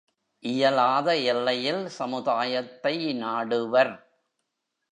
இயலாத எல்லையில் சமுதாயத்தை நாடுவர்.